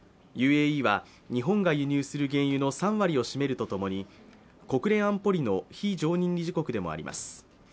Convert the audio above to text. ＵＡＥは日本が輸入する原油の３割を占めるとともに国連安保理の非常任理事国でもあります。